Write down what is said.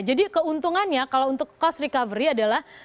jadi keuntungannya kalau untuk cost recovery adalah